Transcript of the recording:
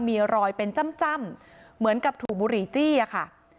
มีรอยเป็นจ้ำเหมือนกับถูกบุหรี่จี้อะค่ะ